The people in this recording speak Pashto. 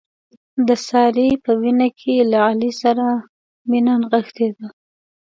د سارې په وینه کې له علي سره مینه نغښتې ده.